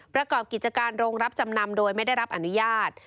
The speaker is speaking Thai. ประกอบกิจการโรงรับจำนำโดยไม่ได้รับอนุญาต